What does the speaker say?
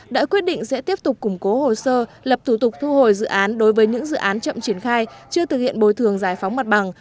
đã quyết định sẽ tiếp tục củng cố hồ sơ lập thủ tục thu hồi dự án đối với những dự án chậm triển khai chưa thực hiện bồi thường giải phóng mặt bằng